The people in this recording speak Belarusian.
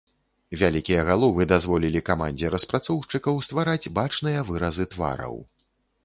Вялікія галовы дазволілі камандзе распрацоўшчыкаў ствараць бачныя выразы твараў.